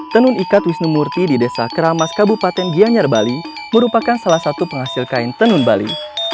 tenun ikat wisnu murti di desa keramas kabupaten gianyar bali merupakan salah satu penghasil kain tenun bali